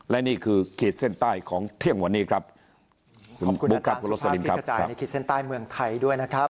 และนี่คือขีดเส้นใต้ของเที่ยงวันนี้ครับขอบคุณฐานสิทธิภาพพลิกจ่ายในขีดเส้นใต้เมืองไทยด้วยนะครับ